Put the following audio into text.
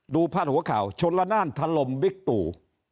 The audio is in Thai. ดูผ้าหัวข่าวชนละนานทะลมวิกตู่